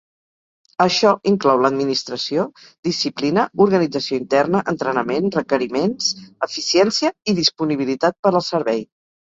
Això inclou l'administració, disciplina, organització interna, entrenament, requeriments, eficiència i disponibilitat per al servei.